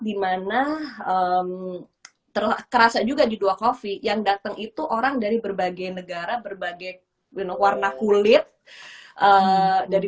dimana terkerasa juga di dua coffee yang datang itu orang dari berbagai negara berbagai warna kulit dari